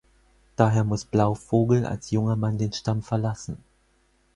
Daher muss Blauvogel als junger Mann den Stamm verlassen.